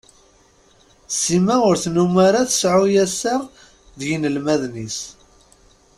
Sima ur tennum ara tseɛu assaɣ d yinelmaden-is.